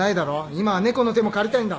今は猫の手も借りたいんだ。